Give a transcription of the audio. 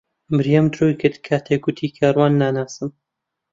مریەم درۆی دەکرد کاتێک گوتی کاروان ناناسم.